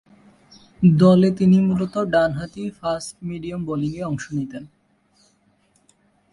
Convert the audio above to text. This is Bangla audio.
দলে তিনি মূলতঃ ডানহাতি ফাস্ট-মিডিয়াম বোলিংয়ে অংশ নিতেন।